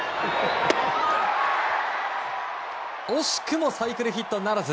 惜しくもサイクルヒットならず。